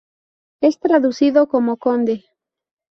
Es traducido como conde.